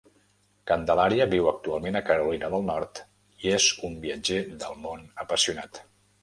Candelaria viu actualment a Carolina del Nord i és un viatger del món apassionat.